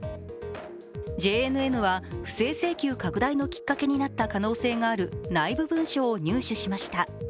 ＪＮＮは不正請求拡大の可能性のきっかけになった可能性のある内部文書を入手しました。